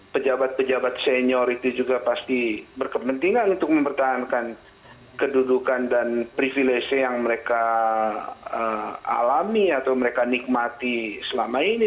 pejabat pejabat senior itu juga pasti berkepentingan untuk mempertahankan kedudukan dan privilege yang mereka alami atau mereka nikmati selama ini